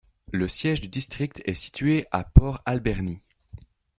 Le siège du district est situé à Port Alberni.